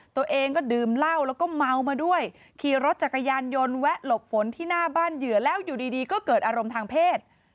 ตัวเองก็ดื่มเหล้าแล้วก็เมามาด้วยขี่รถจักรยานยนต์แวะหลบฝนที่หน้าบ้านเหยื่อแล้วอยู่ดีก็เกิดอารมณ์ทางเพศ